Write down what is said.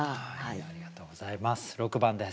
ありがとうございます。